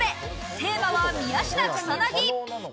テーマは宮下草薙。